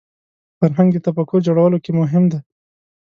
فرهنګ د تفکر جوړولو کې مهم دی